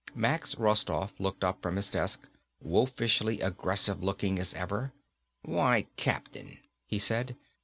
Max Rostoff looked up from his desk, wolfishly aggressive looking as ever. "Why, Captain," he said.